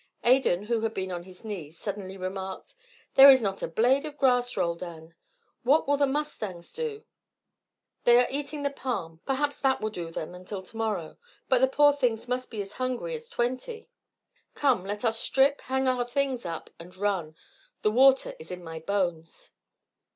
Adan, who had been on his knees, suddenly remarked: "There is not a blade of grass, Roldan. What will the mustangs do?" "They are eating the palm, perhaps that will do them until to morrow. But the poor things must be as hungry as twenty. Come, let us strip, hang our things up, and run. The water is in my bones."